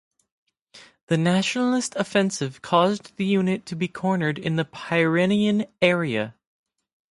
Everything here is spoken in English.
The nationalist offensive caused the unit to be cornered in the Pyrenean area.